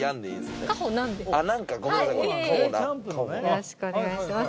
よろしくお願いします。